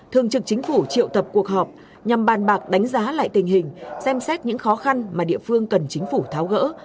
thường trực chính phủ triệu tập cuộc họp nhằm bàn bạc đánh giá lại tình hình xem xét những khó khăn mà địa phương cần chính phủ tháo gỡ